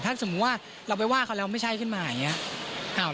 ถ้าสมมุติว่าเราไปว่าเขาแล้วไม่ใช่ขึ้นมาอย่างนี้